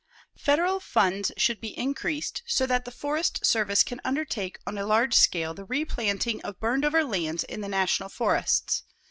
Federal funds should be increased so that the Forest Service can undertake on a large scale the replanting of burned over lands in the National Forests.